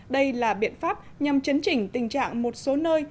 đây là biện pháp nhằm chấn chỉnh tình trạng một số nơi